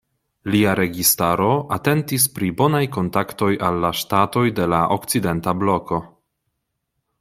Lia registaro atentis pri bonaj kontaktoj al la ŝtatoj de la okcidenta bloko.